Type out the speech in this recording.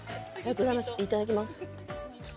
いただきます。